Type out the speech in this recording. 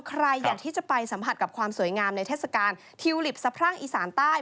ใครอยากที่จะไปสัมผัสกับความสวยงามในเทศกาลทิวลิปสะพรั่งอีสานใต้